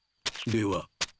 では。